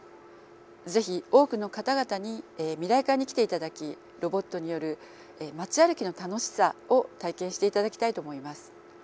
是非多くの方々に未来館に来ていただきロボットによる街歩きの楽しさを体験していただきたいと思います。